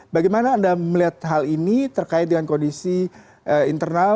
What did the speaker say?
bagaimana anda melihat hal ini terkait dengan kondisi internal